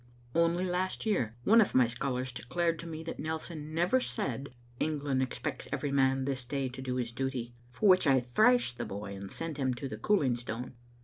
Only last year one of my scholars declared to me that Nelson never said "England expects every man this day to do his duty," for which I thrashed the boy and sent him to the cooling stone.